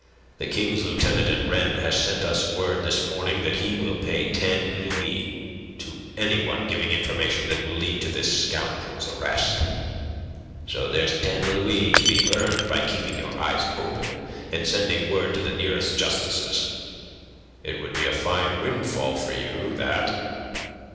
The King's Lieutenant in Rennes has sent us word this morning that he will pay ten louis to any one giving information that will lead to this scoundrel's arrest. So there's ten louis to be earned by keeping your eyes open, and sending word to the nearest justices. It would be a fine windfall for you, that."